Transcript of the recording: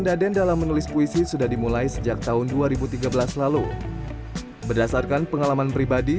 daden dalam menulis puisi sudah dimulai sejak tahun dua ribu tiga belas lalu berdasarkan pengalaman pribadi